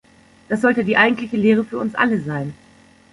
Das sollte die eigentliche Lehre für uns alle sein.